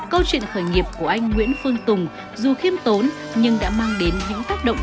câu chuyện khởi nghiệp của anh nguyễn phương tùng dù khiêm tốn nhưng đã mang đến những tác động